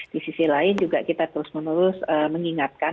di sisi lain juga kita terus menerus mengingatkan